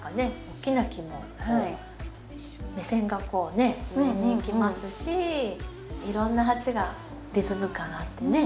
大きな木も目線がこうね上に行きますしいろんな鉢がリズム感あってね